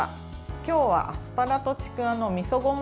今日はアスパラとちくわのみそごま